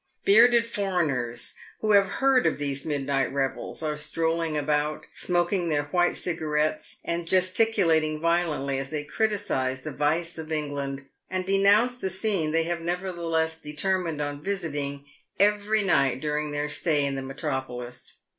Bearded foreigners, who have heard of these midnight revels, are strolling about, smoking their white cigarettes and gesticulating violently as they criticise the vice of England and denounce the scene they have nevertheless determined on visiting every night during their stay in the metropolis.